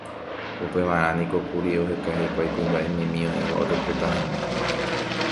upevarã niko kuri oheka hikuái kuimba'emimi oĩva orecluta hag̃ua